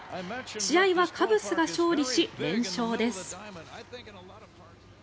試合はカブスが勝利し連勝です。